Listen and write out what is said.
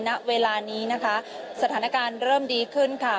ณเวลานี้นะคะสถานการณ์เริ่มดีขึ้นค่ะ